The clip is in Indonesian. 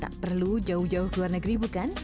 tak perlu jauh jauh keluar negeri bukan